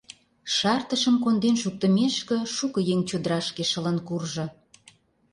Шартышым конден шуктымешке, шуко еҥ чодырашке шылын куржо.